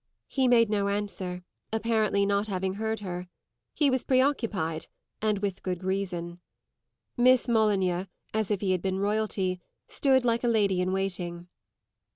He made no answer apparently not having heard her; he was preoccupied, and with good reason. Miss Molyneux as if he had been Royalty stood like a lady in waiting.